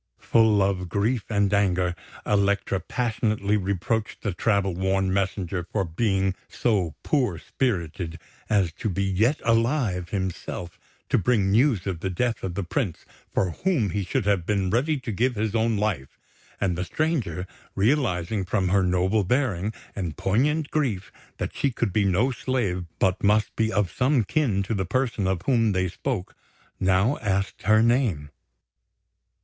Full of grief and anger, Elektra passionately reproached the travel worn messenger for being so poor spirited as to be yet alive himself to bring news of the death of the Prince, for whom he should have been ready to give his own life; and the stranger, realising from her noble bearing and poignant grief that she could be no slave but must be of some kin to the person of whom they spoke, now asked her name.